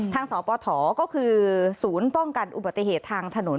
สปฐก็คือศูนย์ป้องกันอุบัติเหตุทางถนน